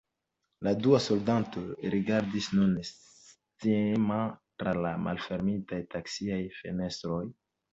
La du soldatoj rigardis nun scieme tra la malfermitaj taksiaj fenestroj.